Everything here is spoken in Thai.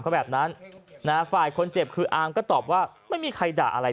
เขาแบบนั้นนะฮะฝ่ายคนเจ็บคืออาร์มก็ตอบว่าไม่มีใครด่าอะไร